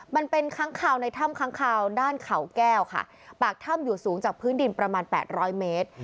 มันเป็นค้างคาวในถ้ำค้างคาวด้านเขาแก้วค่ะปากถ้ำอยู่สูงจากพื้นดินประมาณแปดร้อยเมตร